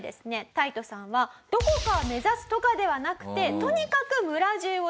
タイトさんはどこかを目指すとかではなくてとにかく村じゅうをですね